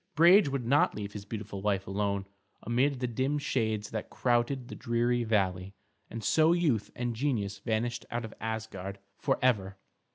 Brage would not leave his beautiful wife alone amid the dim shades that crowded the dreary valley, and so youth and genius vanished out of Asgard forever.